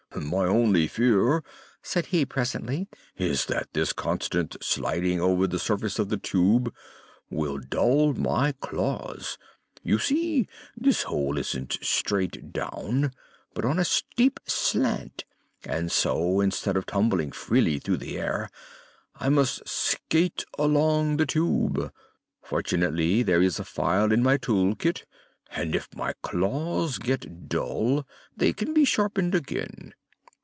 "My only fear," said he presently, "is that this constant sliding over the surface of the Tube will dull my claws. You see, this hole isn't straight down, but on a steep slant, and so instead of tumbling freely through the air I must skate along the Tube. Fortunately, there is a file in my tool kit, and if my claws get dull they can be sharpened again."